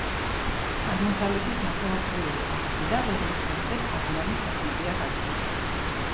აღმოსავლეთით ნახევარწრიული აფსიდა, რომლის ღერძზე თაღოვანი სარკმელია გაჭრილი.